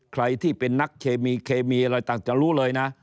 ใครที่เป็นนักเคมีเคมีอะไรต่างจะรู้เลยนะ